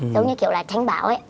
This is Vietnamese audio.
giống như kiểu là tránh bão ấy